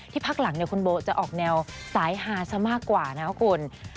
พักหลังคุณโบจะออกแนวสายฮาซะมากกว่านะครับคุณ